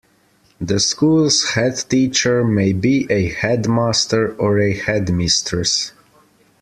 The school's headteacher may be a headmaster or a headmistress